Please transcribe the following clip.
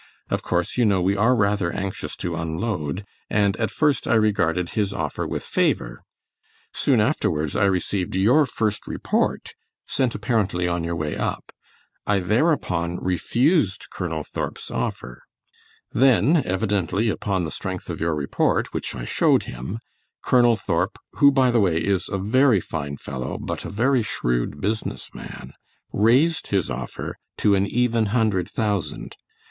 Of course you know we are rather anxious to unload, and at first I regarded his offer with favor. Soon afterwards I received your first report, sent apparently on your way up. I thereupon refused Colonel Thorp's offer. Then evidently upon the strength of your report, which I showed him, Colonel Thorp, who by the way is a very fine fellow, but a very shrewd business man, raised his offer to an even hundred thousand.